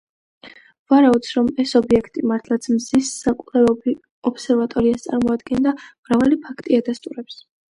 ვარაუდს, რომ ეს ობიექტი მართლაც მზის საკვლევ ობსერვატორიას წარმოადგენდა, მრავალი ფაქტი ადასტურებს.